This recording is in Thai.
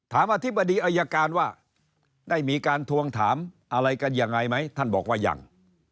อธิบดีอายการว่าได้มีการทวงถามอะไรกันยังไงไหมท่านบอกว่ายัง